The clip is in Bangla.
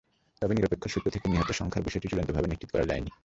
তবে নিরপেক্ষ সূত্র থেকে নিহতের সংখ্যার বিষয়টি চূড়ান্তভাবে নিশ্চিত করা যায়নি।